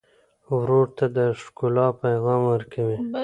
ورور ته د ښکلا پیغام ورکوې.